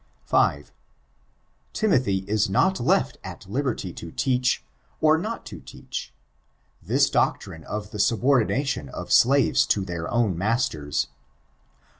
5. Timothy is not left at liberty to teach, or not to teach, this doctrine of the subordination of slaves to dieir own masters.